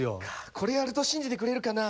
これやると信じてくれるかな？